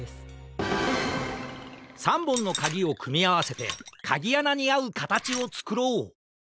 ３ぼんのかぎをくみあわせてかぎあなにあうかたちをつくろう！